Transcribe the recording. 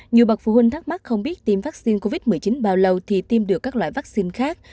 nhiều bậc phụ huynh thắc mắc không biết tiêm vaccine covid một mươi chín bao lâu thì tiêm được các loại vaccine khác